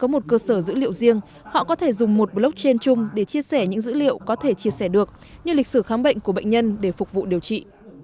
một cơ sở dữ liệu riêng họ có thể dùng một blockchain chung để chia sẻ những dữ liệu có thể chia sẻ được như lịch sử khám bệnh của bệnh nhân để phục vụ điều trị